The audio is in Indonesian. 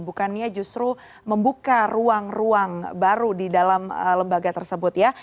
bukannya justru membuka ruang ruang baru di dalam lembaga tersebut ya